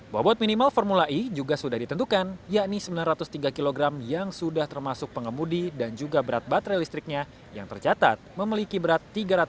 bobot minimal formula e juga sudah ditentukan yakni sembilan ratus tiga kg yang sudah termasuk pengemudi dan juga berat baterai listriknya yang tercatat memiliki berat tiga ratus